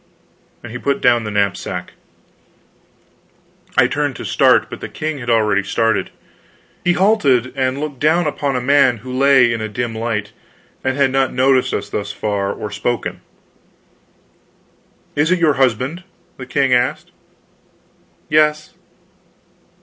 And he put down the knapsack. I turned to start, but the king had already started. He halted, and looked down upon a man who lay in a dim light, and had not noticed us thus far, or spoken. "Is it your husband?" the king asked. "Yes."